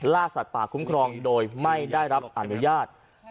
สัตว์ป่าคุ้มครองโดยไม่ได้รับอนุญาต